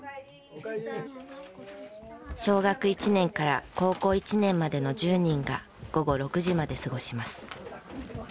小学１年から高校１年までの１０人が午後６時まで過ごします。